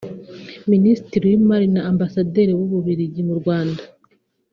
Ministiri w’imari na Ambasaderi w’u Bubiligi mu Rwanda